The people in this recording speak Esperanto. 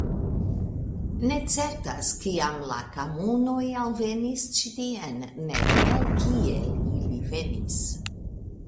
Ne certas kiam la Kamunoj alvenis ĉi tien nek el kie ili venis.